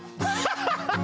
ハハハハハ。